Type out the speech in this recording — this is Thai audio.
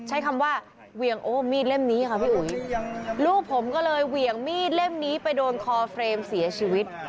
ใช้คำว่าเวียงโอ้มีดเล่มนี้ค่ะพี่อุ๋ยลูกผมก็เลยเหวี่ยงมีดเล่มนี้ไปโดนคอเฟรมเสียชีวิต